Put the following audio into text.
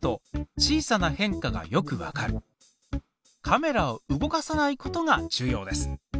カメラを動かさないことが重要です。